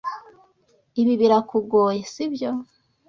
Ibi birakugoye, sibyo?